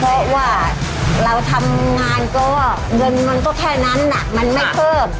เพราะว่าเราทำงานก็เงินมันก็แค่นั้นมันไม่เพิ่ม